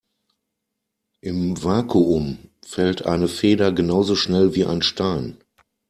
Im Vakuum fällt eine Feder genauso schnell wie ein Stein.